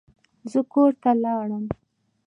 زه کور ته لاړم.